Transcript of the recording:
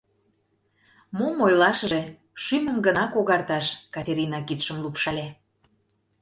— Мом ойлашыже, шӱмым гына когарташ, — Катерина кидшым лупшале.